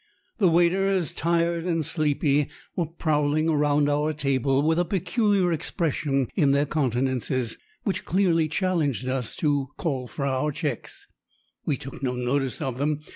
The waiters, tired and sleepy, were prowling around our table with a peculiar expression in their countenances which clearly challenged us to call for our checks.... We took no notice of them.